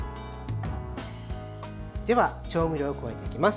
では、調味料を加えていきます。